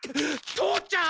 父ちゃん！